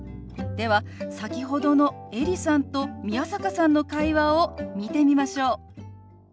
では先ほどのエリさんと宮坂さんの会話を見てみましょう。